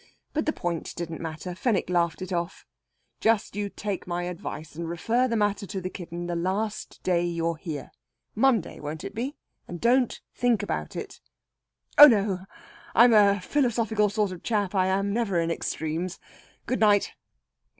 But the point didn't matter. Fenwick laughed it off: "Just you take my advice, and refer the matter to the kitten the last day you're here. Monday, won't it be? And don't think about it!" "Oh no! I'm a philosophical sort of chap, I am! Never in extremes. Good night!"